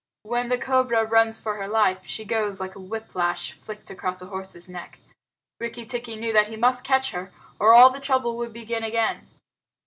When the cobra runs for her life, she goes like a whip lash flicked across a horse's neck. Rikki tikki knew that he must catch her, or all the trouble would begin again.